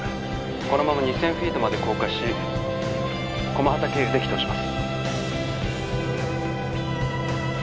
このまま２，０００フィートまで降下し駒畠経由で帰投します。